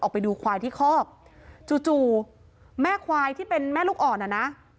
ไปดูควายที่คอกจู่จู่แม่ควายที่เป็นแม่ลูกอ่อนอ่ะนะ